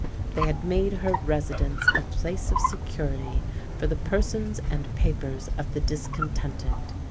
They had made her residence a place of security for the persons and papers of the discontented.